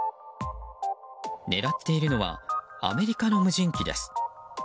狙っているのはアメリカの無人機です。